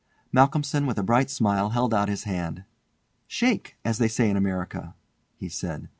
Malcolmson with a bright smile held out his hand. "Shake! as they say in America," he said.